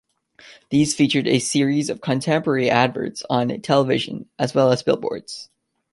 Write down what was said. These featured a series of contemporary adverts on television, as well as billboards.